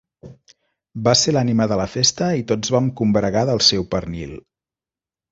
Va ser l'ànima de la festa i tots vam combregar del seu pernil.